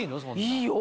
いいよ